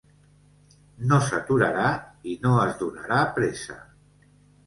No s'aturarà i no es donarà pressa.